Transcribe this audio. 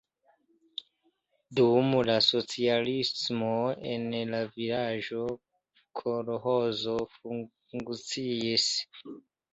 Dum la socialismo en la vilaĝo kolĥozo funkciis.